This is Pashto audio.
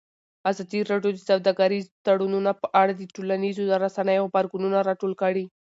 ازادي راډیو د سوداګریز تړونونه په اړه د ټولنیزو رسنیو غبرګونونه راټول کړي.